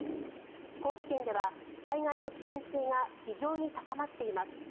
高知県では災害の危険性が非常に高まっています。